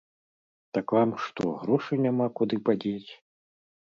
Так вам што, грошы няма куды падзець?